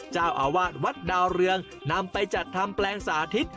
เจ้าอาวาสวัดดาวเรืองนำไปจัดทำแปลงสาธิต